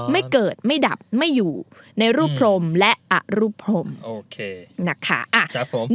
ไม่เกิดไม่ดับไม่อยู่ในรูปพรหมและอรูปพรหมโอเค